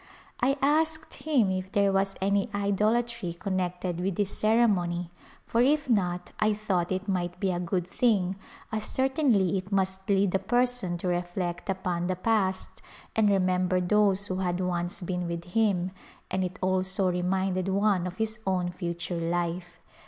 I asked him if there was any idolatry connected with this ceremony for if not I thought it might be a good thing as certainly it must lead a person to reflect upon the past and remember those who had once been with him, and it also reminded one of his own future life.